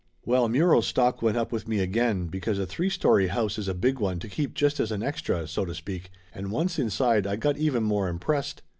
Well, Muro's stock went up with me again, because a three story house is a big one to keep just as an extra, so to speak, and once inside I got even more impressed.